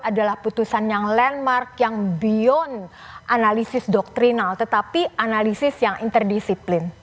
adalah putusan yang landmark yang beyond analisis doktrinal tetapi analisis yang interdisiplin